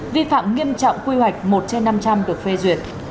vi phạm nghiêm trọng quy hoạch một trên năm trăm linh được phê duyệt